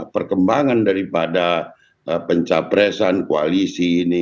perkembangan daripada pencapresan koalisi ini